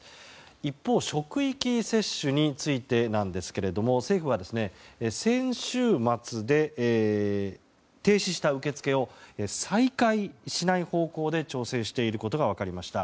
一方、職域接種についてですが政府は、先週末で停止した受け付けを再開しない方向で調整していることが分かりました。